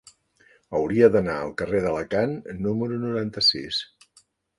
Hauria d'anar al carrer d'Alacant número noranta-sis.